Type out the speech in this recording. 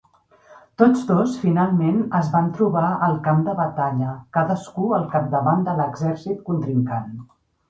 Tots dos finalment es van trobar al camp de batalla, cadascú al capdavant de l'exèrcit contrincant.